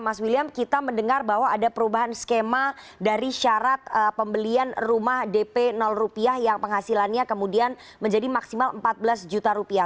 mas william kita mendengar bahwa ada perubahan skema dari syarat pembelian rumah dp rupiah yang penghasilannya kemudian menjadi maksimal empat belas juta rupiah